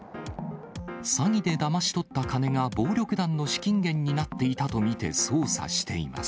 詐欺でだまし取った金が、暴力団の資金源になっていたと見て捜査しています。